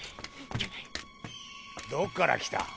どっから来た？